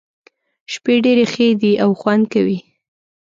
شپې ډېرې ښې دي او خوند کوي.